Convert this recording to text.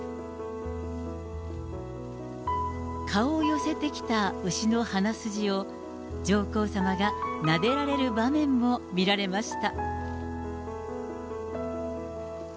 顔を寄せてきた牛の鼻すじを、上皇さまがなでられる場面も見られました。